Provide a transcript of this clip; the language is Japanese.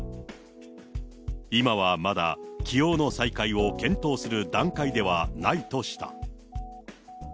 今はまだ起用の再開を検討する段階ではないとした。